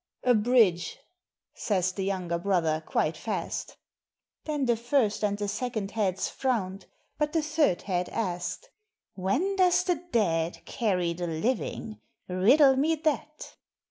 "A bridge," says the younger brother, quite fast. Then the first and the second heads frowned, but the third head asked : "When does the dead carry the living .? riddle me that."